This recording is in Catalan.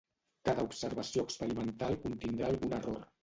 Cada observació experimental contindrà algun error.